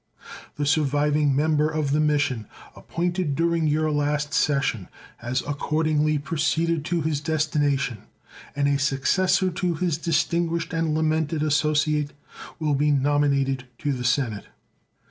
The surviving member of the mission, appointed during your last session, has accordingly proceeded to his destination, and a successor to his distinguished and lamented associate will be nominated to the Senate.